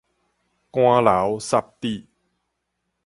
汗流屑滴